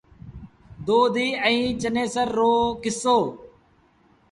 دو دي ائيٚݩ چنيسر رو ڪسو۔